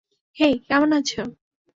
হেই, কেমন আছো?